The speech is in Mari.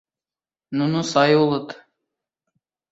Нуно сай улыт.